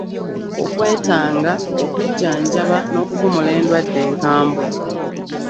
Okwetaanga, okujjanjaba n'okuvumula endwadde enkambwe.